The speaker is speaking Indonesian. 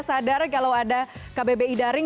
sadar kalau ada kbbi daring